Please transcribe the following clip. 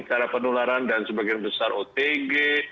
karena penularan dan sebagian besar otg